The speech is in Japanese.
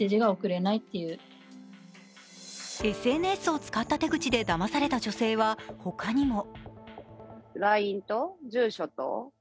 ＳＮＳを使った手口でだまされた女性は他にも。